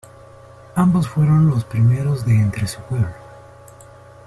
Ambos fueron los primeros de entre su pueblo.